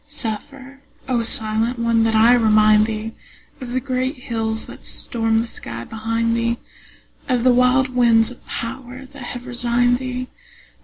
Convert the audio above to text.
Suffer, O silent one, that I remind thee Of the great hills that stormed the sky behind thee, Of the wild winds of power that have resigned thee.